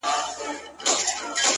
ستا د يادو لپاره؛